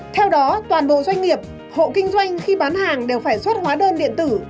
theo đó toàn bộ doanh nghiệp hộ kinh doanh khi bán hàng đều phải xuất hóa đơn điện tử